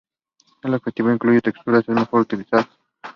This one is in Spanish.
Si el objeto incluye texturas, es mejor utilizar "Structure Viewer".